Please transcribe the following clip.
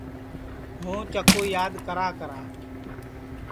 ہُوں چکُو یاد کراکرا